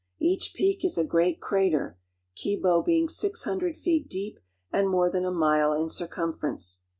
Each peak is a great crater, Kibo being six him 1 ired feet deep and more than a mile in circumference.